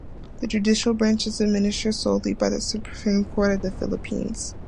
The judicial branch is administered solely by the Supreme Court of the Philippines.